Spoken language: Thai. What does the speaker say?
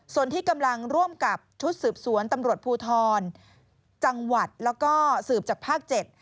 ส่วนที่กำลังร่วมกับชุดสืบสวนตำรวจภูทรจังหวัดแล้วก็สืบจากภาค๗